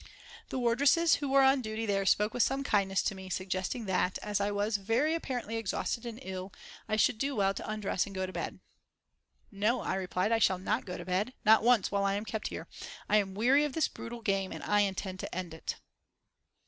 The wardresses who were on duty there spoke with some kindness to me, suggesting that, as I was very apparently exhausted and ill, I should do well to undress and go to bed. "No," I replied, "I shall not go to bed, not once while I am kept here. I am weary of this brutal game, and I intend to end it."